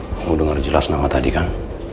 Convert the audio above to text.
mau denger jelas nama tadi kan